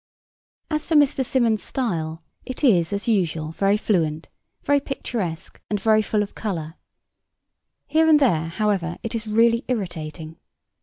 As for Mr. Symonds' style, it is, as usual, very fluent, very picturesque and very full of colour. Here and there, however, it is really irritating.